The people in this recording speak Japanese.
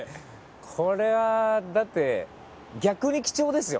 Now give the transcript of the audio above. これはだって逆に貴重ですよ。